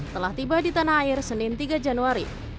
telah tiba di tanah air senin tiga januari